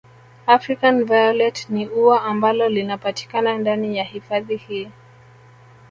African violet ni ua ambalo linapatikana ndani ya hifadhi hii